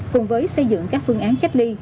cùng với xây dựng các phương án khách ly